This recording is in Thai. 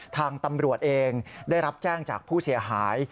ทางตำรวจเองได้รับแจ้งจากผู้เสียหาย